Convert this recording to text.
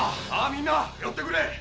みんな寄ってくれ。